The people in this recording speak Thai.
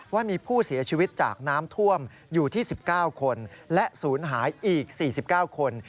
ว่ามีผู้เสียชีวิตจากน้ำท่วมอยู่ที่๑๙คนและศูนย์หายอีก๔๙คน